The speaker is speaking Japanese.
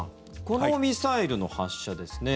このミサイルの発射ですね